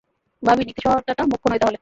ভাবি, নীতি সহায়তাটা মুখ্য নয় তাহলে।